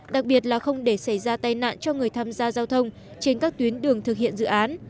đặc biệt là không để xảy ra tai nạn cho người tham gia giao thông trên các tuyến đường thực hiện dự án